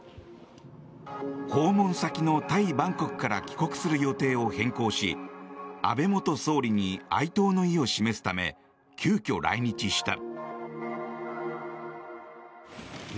訪問先のタイ・バンコクから帰国する予定を変更し安倍元総理に哀悼の意を示すため急きょ、来日した。